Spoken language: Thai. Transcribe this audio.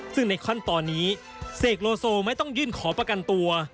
ซึ่งในขั้นตอนนี้เสกโลโซไม่ต้องยื่นขอประกันตัว